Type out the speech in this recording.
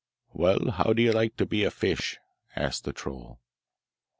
'Well, how do you like to be a fish?' asked the troll.